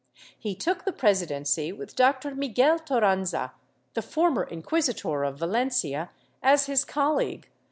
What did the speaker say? He took the presidency with Dr. Miguel Toranza, the former inquisitor of Valencia as his colleague.